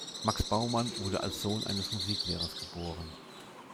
Max Baumann wurde als Sohn eines Musiklehrers geboren.